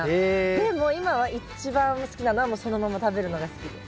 でも今は一番好きなのはもうそのまま食べるのが好きです。